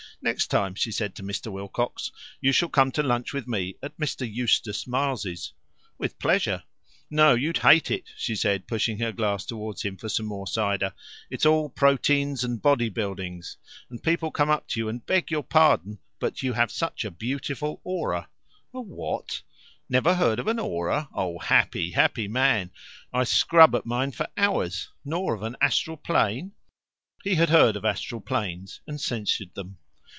"Next time," she said to Mr. Wilcox, "you shall come to lunch with me at Mr. Eustace Miles's." "With pleasure." "No, you'd hate it," she said, pushing her glass towards him for some more cider. "It's all proteids and body buildings, and people come up to you and beg your pardon, but you have such a beautiful aura." "A what?" "Never heard of an aura? Oh, happy, happy man! I scrub at mine for hours. Nor of an astral plane?" He had heard of astral planes, and censured them.